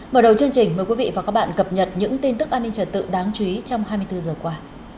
mở đầu chương trình mời quý vị và các bạn cập nhật những tin tức an ninh trật tự đáng chú ý trong hai mươi bốn giờ qua